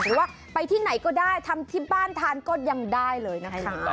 หรือว่าไปที่ไหนก็ได้ทำที่บ้านทานก็ยังได้เลยนะคะ